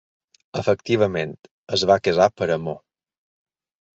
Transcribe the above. Efectivament, es va casar per amor.